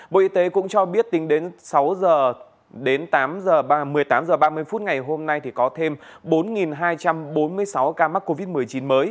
bộ y tế cũng cho biết tính đến một mươi tám h ba mươi hôm nay có thêm bốn hai trăm bốn mươi sáu ca mắc covid một mươi chín mới